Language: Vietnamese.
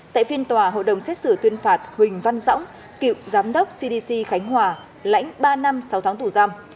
tại phiên tòa hội đồng xét xử tuyên phạt huỳnh văn dõng cựu giám đốc cdc khánh hòa lãnh ba năm sáu tháng tù giam